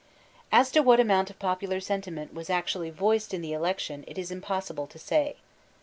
As to what amount of popular sentiment was actually voiced in the election, it is impossible to say.